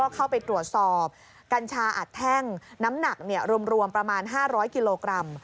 เข้าไปตรวจสอบกัญชาอัดแท่งน้ำหนักรวมประมาณ๕๐๐กิโลกรัม